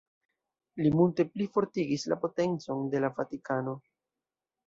Li multe plifortigis la potencon de la Vatikano.